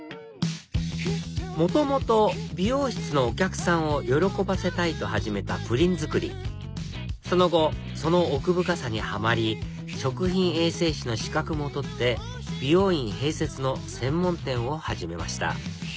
元々美容室のお客さんを喜ばせたいと始めたプリン作りその後その奥深さにハマり食品衛生士の資格も取って美容院併設の専門店を始めました